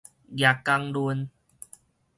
蜈蚣崙